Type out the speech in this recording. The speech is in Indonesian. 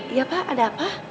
iya pak ada apa